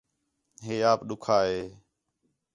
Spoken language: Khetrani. ہے آپ ݙُکّھا ہے